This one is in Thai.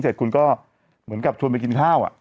เสร็จคุณก็เหมือนกับชวนไปกินข้าว